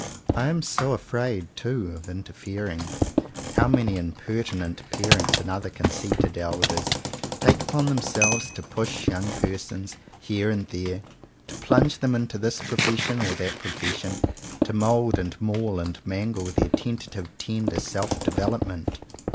I am so afraid, too, of interfering. How many impertinent parents and other con ceited elders take upon themselves to push young persons here and there; to plunge them into this profession or that profession; to mould and maul and mangle their tenta tive tender self development